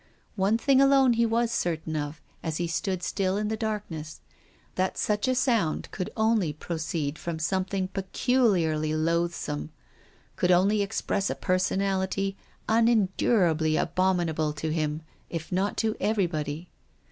One thing alone he was certain of as he stood still in the darkness, — that such a sound could only proceed from something peculiarly loathsome, could only express a personality unendurably abominable to him, if not to everybody.